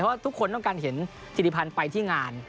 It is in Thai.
เพราะทุกคนต้องการเห็นสิริพันธ์ไปที่งาน